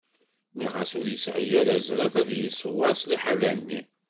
Nniɣ-as ur yesɛi ara azref ad iyi-iṣewwer s liḥala-nni.